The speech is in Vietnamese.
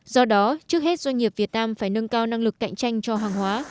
do đó trước hết doanh nghiệp việt nam phải nâng cao năng lực cạnh tranh cho hàng hóa